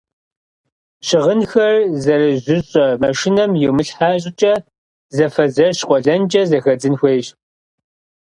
Щыгъынхэр зэрыжьыщӏэ машинэм йумылъхьэ щӏыкӏэ зэфэзэщ-къуэлэнкӏэ зэхэдзын хуейщ.